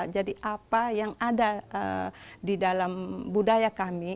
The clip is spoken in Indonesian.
jadi apa yang ada di dalam budaya kami